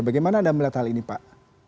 bagaimana anda melihat hal ini pak